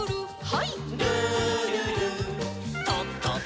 はい。